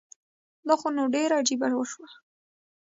دا خو نو ډيره عجیبه وشوه